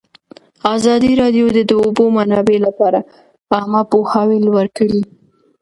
ازادي راډیو د د اوبو منابع لپاره عامه پوهاوي لوړ کړی.